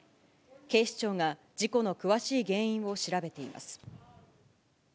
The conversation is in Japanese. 警視庁が事故の詳しい原因を調べています。